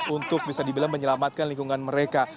untuk bisa dibilang menyelamatkan lingkungan mereka